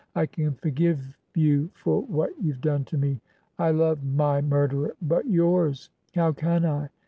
I can forgive you for what you've done to me. I love my murderer — but yours I How can I?'